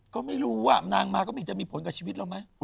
ก็ไม่รู้ว่านางมาก็มีจะมีผลกับชีวิตเราไหม